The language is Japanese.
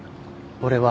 俺は。